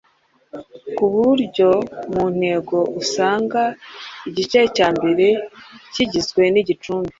ku buryo mu ntego usanga igice cya mbere kigizwe n’igicumbi